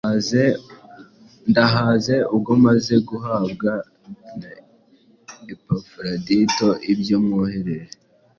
ndahaze, ubwo maze guhabwa na Epafuradito ibyo mwohereje,